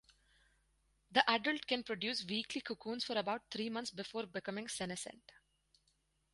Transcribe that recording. The adult can produce weekly cocoons for about three months before becoming senescent.